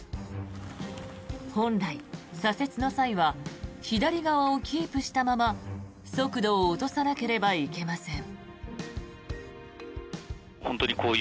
本来、左折の際は左側をキープしたまま速度を落とさなければいけません。